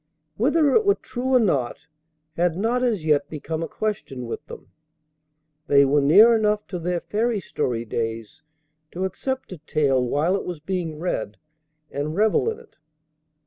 Whether it were true or not had not as yet become a question with them. They were near enough to their fairy story days to accept a tale while it was being read, and revel in it.